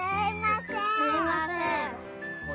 すいません。